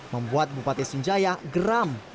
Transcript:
membuat bupati sunjaya geram